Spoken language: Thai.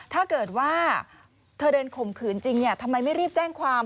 ถ้าเกิดว่าเธอเดินข่มขืนจริงทำไมไม่รีบแจ้งความ